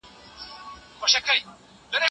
زه به لکه شمع خپل مزار ته سوځېدلی یم